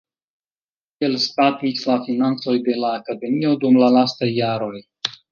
Kiel statis la financoj de la Akademio dum la lastaj jaroj?